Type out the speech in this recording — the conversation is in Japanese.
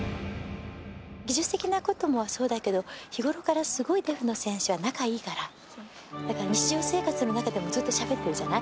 技術的なこともそうだけど、日頃からすごいデフの選手は仲いいから、だから日常生活の中でもずっとしゃべってるじゃない。